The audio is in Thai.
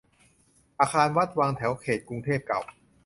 อาคาร วัด วัง แถวเขตกรุงเทพเก่า